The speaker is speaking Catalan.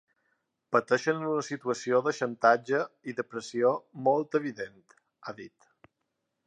Pateixen una situació de xantatge i de pressió molt evident, ha dit.